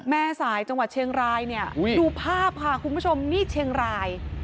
แม่สายจังหวัดเชียงรายเนี่ยดูภาพค่ะคุณผู้ชมนี่เชียงราย